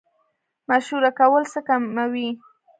مشوره کول څه کموي؟